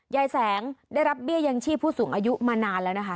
ยายแสงได้รับเบี้ยยังชีพผู้สูงอายุมานานแล้วนะคะ